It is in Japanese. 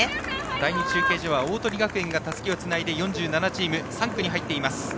第２中継所は鵬学園がたすきをつないで４７チーム、３区に入っています。